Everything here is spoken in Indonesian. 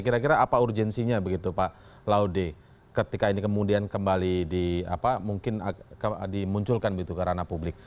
kira kira apa urgensinya begitu pak laude ketika ini kemudian kembali dimunculkan begitu ke ranah publik